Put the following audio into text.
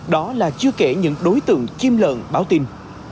đó là chưa kể những đối tượng chim lợn báo tin